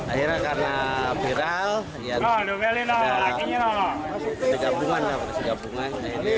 akhirnya karena viral ya ada gabungan